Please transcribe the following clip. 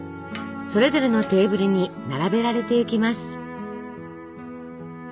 それぞれのテーブルに並べられていきます。